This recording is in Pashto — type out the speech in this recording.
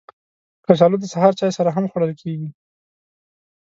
کچالو د سهار چای سره هم خوړل کېږي